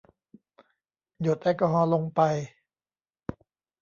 หยดแอลกอฮอล์ลงไป